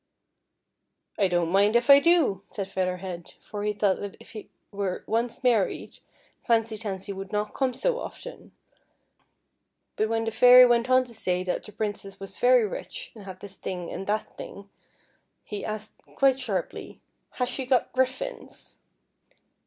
" I don't mind if I do," said Feather I^ead, for he thought that if he were once married Fanc\' Tansy would not come so often ; but when the Fairy went on to say that the Princess was very rich and had this thing and that thing, he asked quite sharply, " Has she got griffins